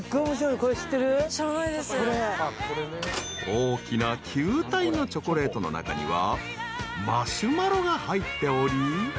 ［大きな球体のチョコレートの中にはマシュマロが入っており］